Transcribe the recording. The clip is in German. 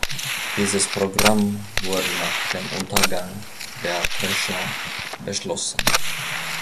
Dieses Programm wurde nach dem Untergang der "Thresher" beschlossen.